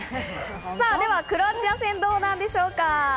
では、クロアチア戦はどうなんでしょうか？